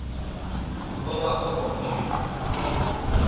Nǩola komomçi.